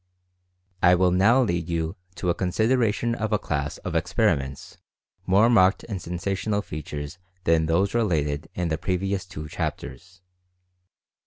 I will now lead you to a consideration of a class of experiments more marked in sensational features than those related in the previous two chapters.